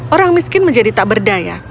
orang miskin menjadi tak berdaya